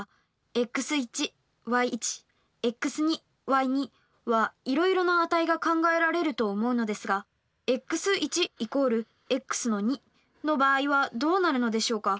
ｘｙｘｙはいろいろな値が考えられると思うのですがｘ＝ｘの場合はどうなるのでしょうか。